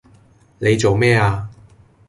你做咩呀？